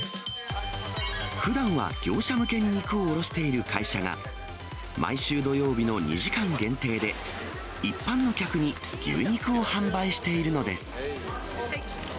ふだんは業者向けに肉を卸している会社が、毎週土曜日の２時間限定で、一般の客に牛肉を販売しているのです。